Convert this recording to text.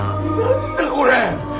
何だこれ！